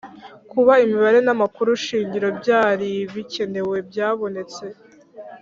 Kuba imibare namakuru shingiro byaribikenewe byabonetse